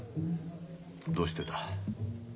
どうしてた。